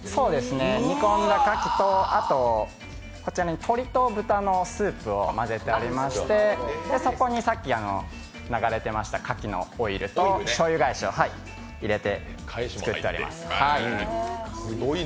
煮込んだ牡蠣と、こちらに鶏と豚のスープを混ぜてありまして、そこにさっき流れてました牡蠣のオイルとしょうゆ返しを入れて作ってあります。